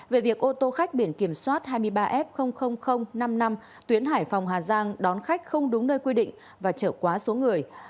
về việc ô tô khách biển kiểm soát hai mươi ba f năm mươi năm tuyến hải phòng hà giang đón khách không đúng nơi quy định và trở quá số người